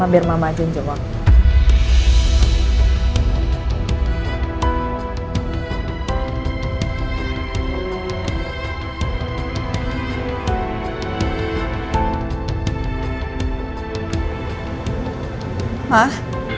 aku nellah mau nyakitin perasaan